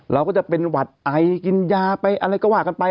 เราก็จะเป็นหวัดไอกินยาไปอะไรก็ว่ากันไป